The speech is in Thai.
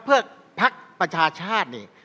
เพื่อพักประชาชาตินี่